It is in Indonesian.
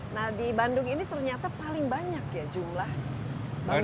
nah di bandung ini ternyata paling banyak ya jumlah bangunan